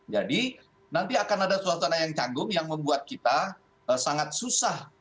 jadi nanti akan ada suasana yang canggung yang membuat kita sangat susah